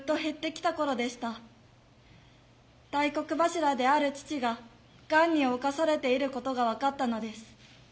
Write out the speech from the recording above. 大黒柱である父ががんに侵されていることが分かったのです。